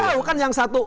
sangka kan yang satu